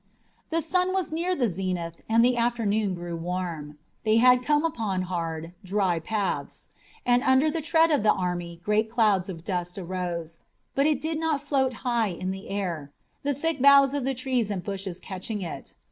The sun was near the zenith and the afternoon grew warm. They had come upon hard, dry paths, and under the tread of the army great clouds of dust arose, but it did not float high in the air, the thick boughs of the trees and bushes catching it.